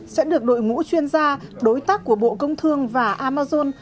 sẽ được đội ngũ chuyên gia đối tác của bộ công thương và amazon